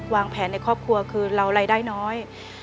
วางแผนในครอบครัวคือเรารายได้น้อย